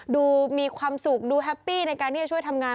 ดูมีความสุขดูแฮปปี้ในการที่จะช่วยทำงาน